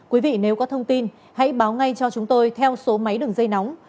quý vị nếu có thông tin hãy báo ngay cho chúng tôi theo số máy đường dây nóng sáu mươi chín hai trăm ba mươi bốn